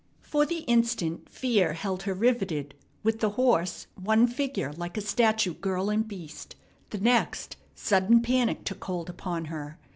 For the instant fear held her riveted, with the horse, one figure like a statue, girl and beast; the next, sudden panic took hold upon her.